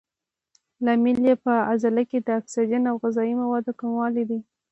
لامل یې په عضله کې د اکسیجن او غذایي موادو کموالی دی.